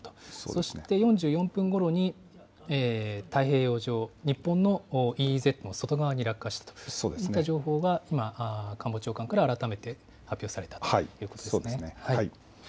そして４４分ごろに、太平洋上、日本のＥＥＺの外側に落下したという情報が、官房長官から改めて発表されたということですね。